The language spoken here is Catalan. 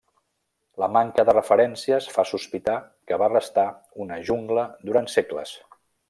La manca de referències fa sospitar que va restar una jungla durant segles.